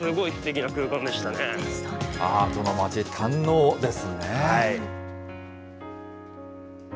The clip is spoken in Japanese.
アートの街、堪能ですね。